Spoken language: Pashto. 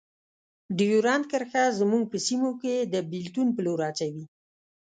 ډیورنډ کرښه زموږ په سیمو کې د بیلتون په لور هڅوي.